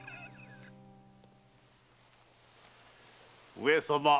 上様。